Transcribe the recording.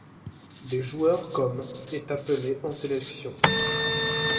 Des joueurs comme est appelé en sélection.